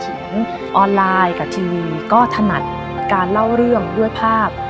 ออนไลน์กับทีวีก็ถนัดการเล่าเรื่องด้วยภาพ